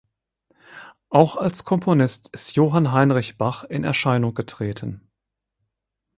Auch als Komponist ist Johann Heinrich Bach in Erscheinung getreten.